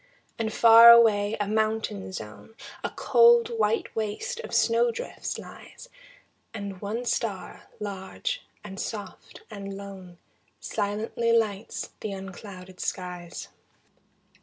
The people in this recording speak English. And far away a mountain zone, A cold, white waste of snow drifts lies, And one star, large and soft and lone, Silently lights the unclouded skies.